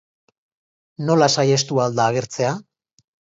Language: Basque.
Nola saihestu ahal da agertzea?